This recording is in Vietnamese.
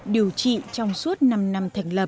điều trị trong suốt năm năm thành lập